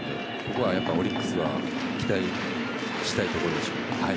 ここはオリックスは期待したいところでしょう。